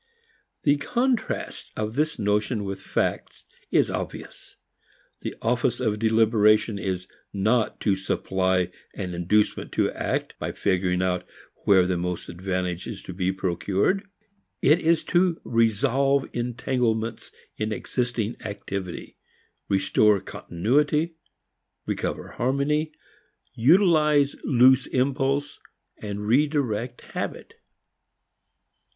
The contrast of this notion with fact is obvious. The office of deliberation is not to supply an inducement to act by figuring out where the most advantage is to be procured. It is to resolve entanglements in existing activity, restore continuity, recover harmony, utilize loose impulse and redirect habit.